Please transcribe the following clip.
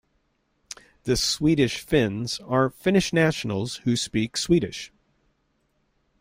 The Swedish-Finns are Finnish nationals who speak Swedish.